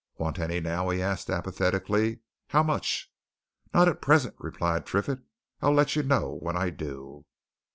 "Want any now?" he asked apathetically. "How much?" "Not at present," replied Triffitt. "I'll let you know when I do."